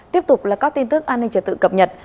tiếp tục là các tin tức an ninh trật tự cập nhật